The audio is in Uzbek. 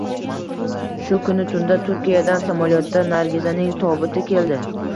Shu kuni tunda Turkiyadan samolyotda Nargizaning tobuti keldi